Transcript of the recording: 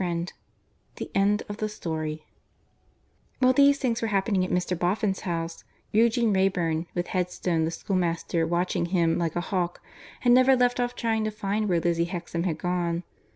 V THE END OF THE STORY While these things were happening at Mr. Boffin's house, Eugene Wrayburn, with Headstone the schoolmaster watching him like a hawk, had never left off trying to find where Lizzie Hexam had gone.